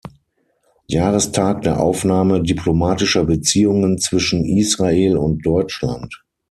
Jahrestag der Aufnahme diplomatischer Beziehungen zwischen Israel und Deutschland.